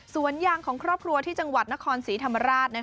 สวนยางของครอบครัวที่จังหวัดนครศรีธรรมราช